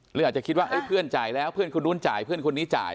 หรืออาจจะคิดว่าเพื่อนจ่ายแล้วเพื่อนคนนู้นจ่ายเพื่อนคนนี้จ่าย